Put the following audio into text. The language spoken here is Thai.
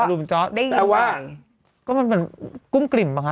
อารุมเจาะได้ยินไหม